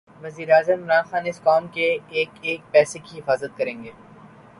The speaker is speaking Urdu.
وزیراعظم عمران خان اس قوم کے ایک ایک پیسے کی حفاظت کریں گے